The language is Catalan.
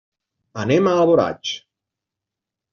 Anem a Alboraig.